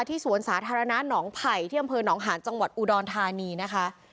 สวนสาธารณะหนองไผ่ที่อำเภอหนองหาญจังหวัดอุดรธานีนะคะ